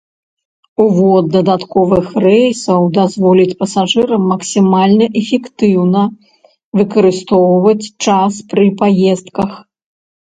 Увод дадатковых рэйсаў дазволіць пасажырам максімальна эфектыўна выкарыстоўваць час пры паездках.